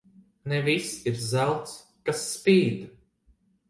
Ne viss ir zelts, kas spīd.